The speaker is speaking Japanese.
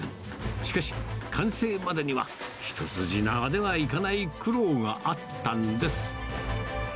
しかし、完成までには一筋縄ではいかない苦労があったんです。